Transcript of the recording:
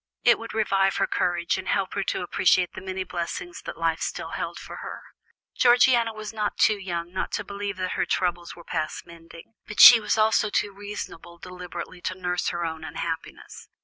It would revive her courage, and help her to appreciate the many blessings that life still held for her. Georgiana was not too young not to believe that her troubles were past mending, but she was also too reasonable deliberately to nurse her unhappiness.